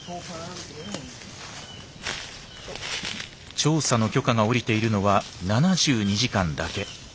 調査の許可が下りているのは７２時間だけ。